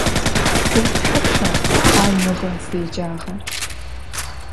Txılh thapşşa ar mığe zecağer?